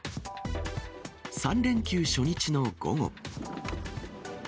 ３連休初日の午後。